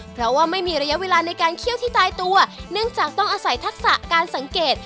เพราะว่าไม่มีระยะเวลาในการเคี่ยวที่ตายตัวเนื่องจากต้องอาศัยทักษะการสังเกต